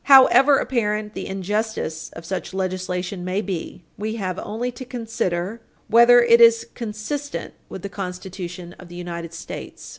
However apparent the injustice of such legislation may be, we have only to consider whether it is consistent with the Constitution of the United States.